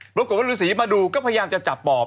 โปรโกรธว่าลือสีมาดูก็พยายามจะจับปอบ